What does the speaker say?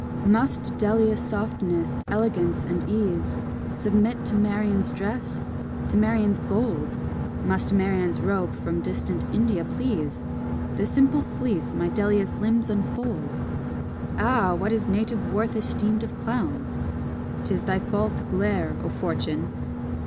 Must Delia's softness, elegance, and ease, Submit to Marian's dress? to Marian's gold? Must Marian's robe from distant India please? The simple fleece my Delia's limbs infold! Ah! what is native worth esteemed of clowns? 'Tis thy false glare, O Fortune!